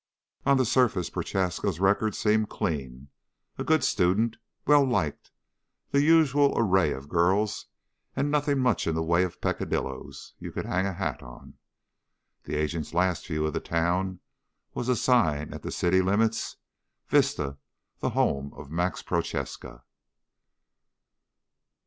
On the surface, Prochaska's record seemed clean a good student, well liked, the usual array of girls, and nothing much in the way of peccadillos you could hang a hat on. The agent's last view of the town was a sign at the city limits: VISTA THE HOME OF MAX PROCHASKA.